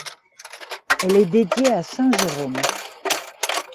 Elle est dédiée à saint Jérôme.